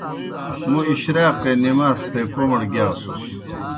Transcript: موْ اِشراقے نماز تھے کوْمڑ گِیاسُس۔